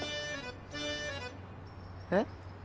えっ？